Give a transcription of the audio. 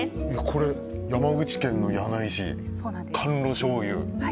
これ、山口県の柳井市甘露しょうゆ